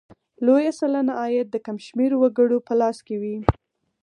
لویه سلنه عاید د کم شمېر وګړو په لاس کې وي.